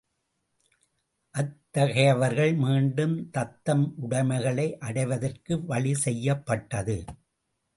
அத்தகையவர்கள் மீண்டும் தத்தம் உடைமைகளை அடைவதற்கு வழி செய்யப்பட்டது.